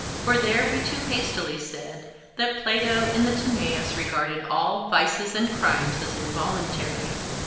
For we too hastily said that Plato in the Timaeus regarded all 'vices and crimes as involuntary.